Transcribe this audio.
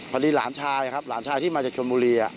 หลานชายครับหลานชายที่มาจากชนบุรี